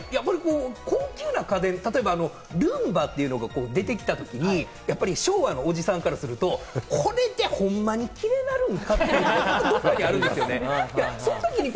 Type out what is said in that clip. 高級な家電、ルンバっていうのが出てきたときに昭和のおじさんからすると、これでホンマにキレイになるんか？って思ったときがあるんですよね。